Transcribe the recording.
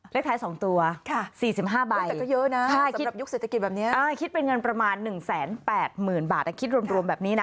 เลขท้าย๒ตัว๔๕ใบคิดเป็นเงินประมาณ๑๘๐๐๐๐บาทคิดรวมแบบนี้นะ